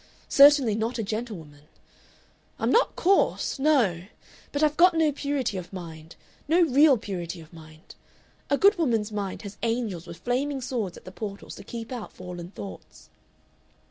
Certainly not a gentlewoman. "I'm not coarse no! But I've got no purity of mind no real purity of mind. A good woman's mind has angels with flaming swords at the portals to keep out fallen thoughts....